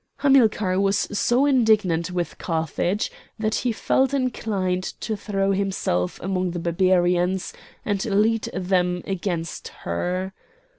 Hamilcar was so indignant with Carthage that he felt inclined to throw himself among the Barbarians and lead them against her.